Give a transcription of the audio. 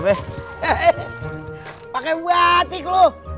hehehe pakai batik lu